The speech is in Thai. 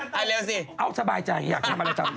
ดุลนรกอยากทำอะไร